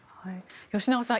吉永さん